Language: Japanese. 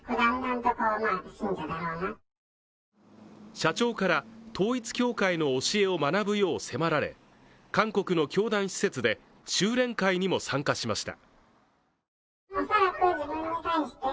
社長から統一教会の教えを学ぶよう迫られ韓国の教団施設で修練会にも参加しました。